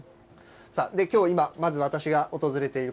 きょう今、まず私が訪れている